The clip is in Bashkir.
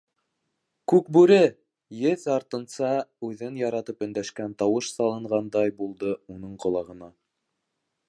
«Күкбүре!» - еҫ артынса үҙен яратып өндәшкән тауыш салынғандай булды уның ҡолағына.